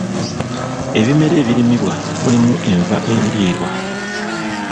Ebimera ebirimibwa mulimu enva endiirwa.